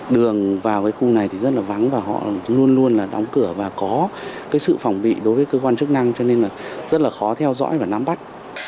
đường vào khu này thì rất là vắng và họ luôn luôn đóng cửa và có sự phòng bị đối với cơ quan chức năng cho nên rất là khó theo dõi và nắm bắt